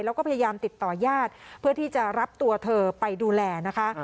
แล้วก็พยายามติดต่อญาติเพื่อที่จะรับตัวเธอไปดูแลนะคะ